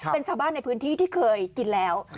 เป็นชาวบ้านในพื้นที่ที่เคยกินแล้ว